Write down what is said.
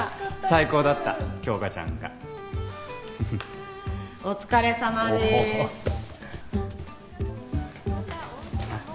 最高だった杏花ちゃんがお疲れさまですおおあっ